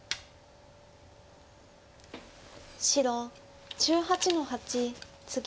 白１８の八ツギ。